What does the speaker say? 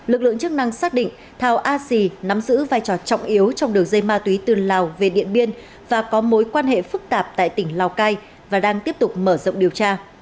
lực lượng chức năng xác định thao a sì nắm giữ vai trò trọng yếu trong đường dây ma túy từ lào về điện biên và có mối quan hệ phức tạp tại tỉnh lào cai và đang tiếp tục mở rộng điều tra